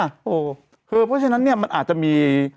เพราะฉะนั้นเนี่ยมันอาจจะมี